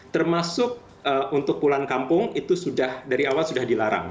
termasuk untuk pulang kampung itu sudah dari awal sudah dilarang